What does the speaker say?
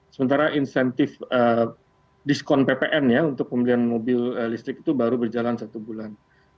sementara insentif diskon ppn ya untuk pembelian mobil listrik itu baru berjalan satu bulan